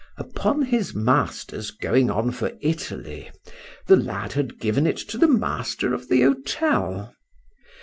Upon his master's going on for Italy, the lad had given it to the master of the hotel.